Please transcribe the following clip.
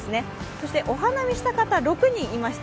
そしてお花見した方、６人いました。